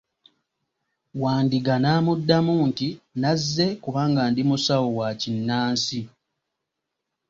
Wandiga n'amuddamu nti, nazze kubanga ndi musawo wakinnansi.